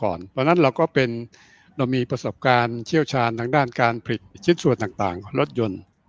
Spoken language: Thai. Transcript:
ตอนนั้นเราก็มีอโอกาสเฉลกงานทางด้านการผลิตชิ้นส่วนรถยนต์